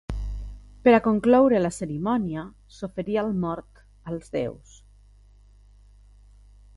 Per a concloure la cerimònia, s'oferia el mort als déus.